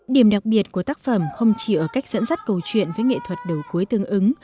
điểm đặc biệt của tác phẩm không chỉ ở cách dẫn dắt câu chuyện với nghệ thuật đầu cuối tương ứng